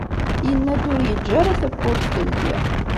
Yenna-d ur yeǧǧa ara tawwurt teldi.